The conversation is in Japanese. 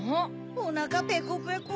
おなかペコペコ。